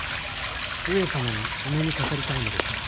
上様にお目にかかりたいのですが。